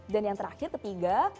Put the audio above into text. dan yang terakhir ketiga